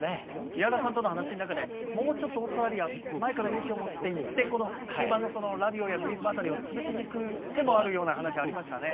井原さんとの話の中でもう少し、オーストラリア前から、勇気を持って行って中盤のラビオやグリーズマン辺りをつぶしにいく手もあるような話もありましたね。